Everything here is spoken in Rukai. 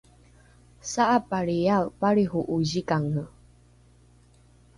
sa’apalriae palriho’o zikange